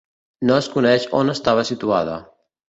No es coneix on estava situada.